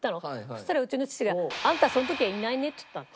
そしたらうちの父が「あんたその時はいないね」って言ったの。